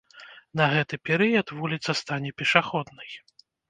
На гэты перыяд вуліца стане пешаходнай.